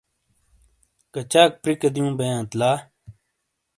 کَچاک پرِیکے دِیوں بئیانت لا!